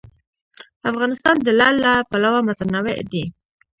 افغانستان د لعل له پلوه متنوع دی.